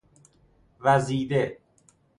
وزیده